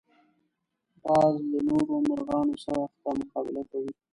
باز له نورو مرغانو سخته مقابله کوي